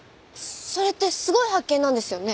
それってすごい発見なんですよね？